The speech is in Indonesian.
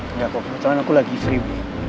enggak kok kebetulan aku lagi seribu